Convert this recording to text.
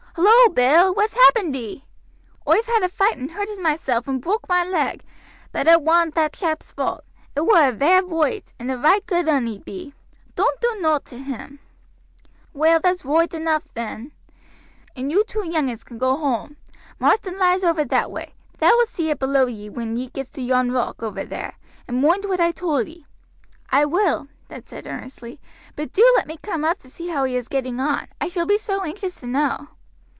"Hullo, Bill! what's happened ee?" his brother asked. "Oi've had a fight and hurted myself, and broke my leg; but it wa'nt that chap's fault; it were a vair voight, and a right good 'un he be. Doan't do nowt to him." "Well, that's roight enough then," the man said, "and you two young 'uns can go whoam. Marsden lies over that way; thou wilt see it below ye when ye gets to yon rock over there; and moind what I told ee." "I will," Ned said earnestly; "but do let me come up to see how he is getting on, I shall be so anxious to know."